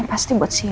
ini pasti buat shena